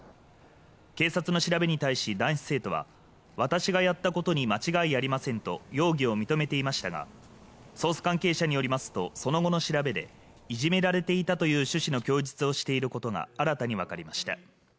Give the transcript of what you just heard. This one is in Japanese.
警察の調べに対し、男子生徒は私がやったことに間違いありませんと容疑を認めていましたが捜査関係者によりますと、その後の調べでいじめられていたという趣旨の供述をしていることが新たに分かりました。